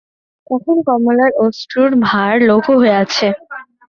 তখন কমলার অশ্রুর ভার লঘু হইয়াছে।